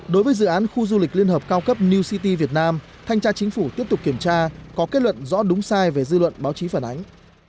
đối với dự án khu du lịch liên hợp cao cấp new city việt nam thanh tra chính phủ tiếp tục kiểm tra có kết luận rõ đúng sai về dư luận báo chí phản ánh